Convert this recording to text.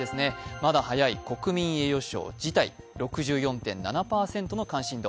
まだ早い国民栄誉賞事態、６４．７％の関心と。